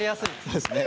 そうですね。